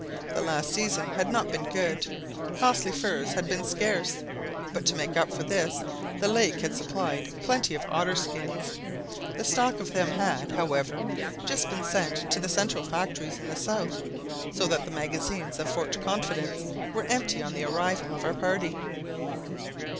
The last season had not been good, costly furs had been scarce; but to make up for this the lake had supplied plenty of otter skins. The stock of them had, however, just been sent to the central factories in the south, so that the magazines of Fort Confidence were empty on the arrival of our party.